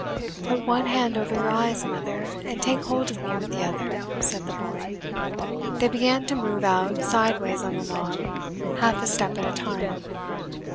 "Put one hand over your eyes, mother, and take hold of me with the other," said the boy. They began to move out sidewise on the log, half a step at a time.